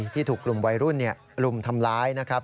ที่กลุ่มทำร้ายครับ